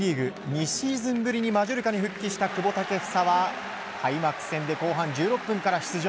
２シーズンぶりにマジョルカに復帰した久保建英は開幕戦で後半１６分から出場。